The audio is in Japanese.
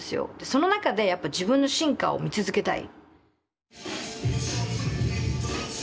その中でやっぱ自分の進化を見続けたい。